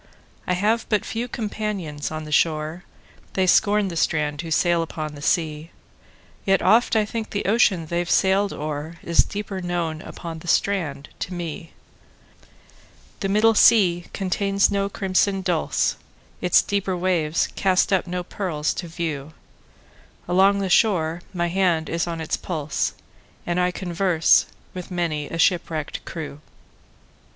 I have but few companions on the shore:They scorn the strand who sail upon the sea; Yet oft I think the ocean they've sailed o'erIs deeper known upon the strand to me. The middle sea contains no crimson dulse, Its deeper waves cast up no pearls to view; Along the shore my hand is on its pulse, And I converse with many a shipwrecked crew.